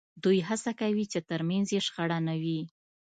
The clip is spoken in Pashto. دوی هڅه کوي چې ترمنځ یې شخړه نه وي